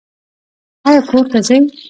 ایا کور ته ځئ؟